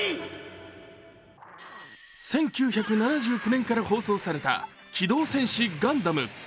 １９７９年から放送された「機動戦士ガンダム」。